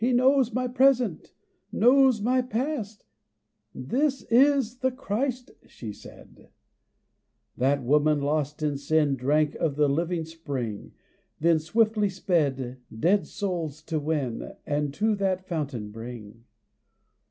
"He knows my present, knows my past; This is the Christ," she said. That woman lost in sin Drank of the living spring, Then swiftly sped dead souls to win, And to that fountain bring.